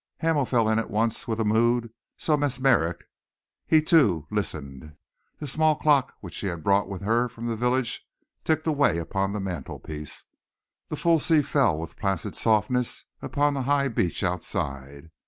Hamel fell in at once with a mood so mesmeric. He, too, listened. The small clock which she had brought with her from the village ticked away upon the mantelpiece. The full sea fell with placid softness upon the high beach outside.